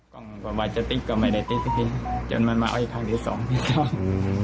ก็วาดจะติ๊กก็ไม่ได้ติ๊กพี่พี่จนมันมาเอาอีกครั้งที่สองที่สอง